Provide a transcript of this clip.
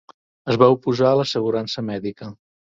Es va oposar a l'assegurança mèdica.